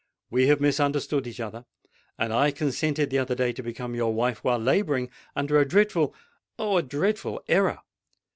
We have misunderstood each other—and I consented the other day to become your wife, while labouring under a dreadful—oh! a dreadful error!